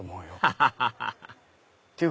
ハハハハ！